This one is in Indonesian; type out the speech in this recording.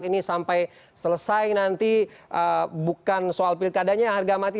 ini sampai selesai nanti bukan soal pilkadanya harga mati